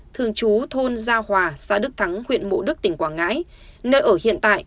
thường chú thôn gia hòa xã đức thắng huyện mộ đức tỉnh quảng ngãi nơi ở hiện tại